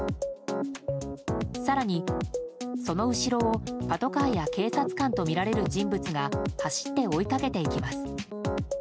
更に、その後ろをパトカーや警察官とみられる人物が走って追いかけていきます。